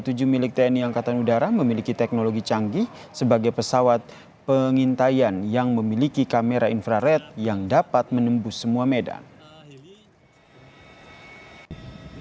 tujuh milik tni angkatan udara memiliki teknologi canggih sebagai pesawat pengintaian yang memiliki kamera infrared yang dapat menembus semua medan